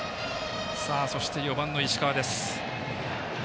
そして、４番の石川です。